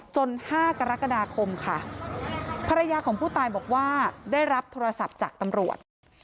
๕กรกฎาคมค่ะภรรยาของผู้ตายบอกว่าได้รับโทรศัพท์จากตำรวจ